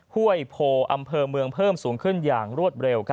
ห้วยโพอำเภอเมืองเพิ่มสูงขึ้นอย่างรวดเร็ว